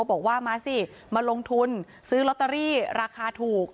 บอกว่ามาสิมาลงทุนซื้อลอตเตอรี่ราคาถูก